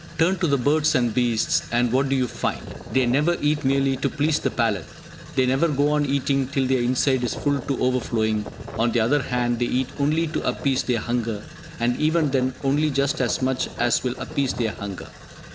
Turn to the birds and beasts, and what do you find? They never eat merely to please the palate, they never go on eating till their inside is full to overflowing. On the other hand, they eat only to appease their hunger, and even then only just as much as will appease their hunger.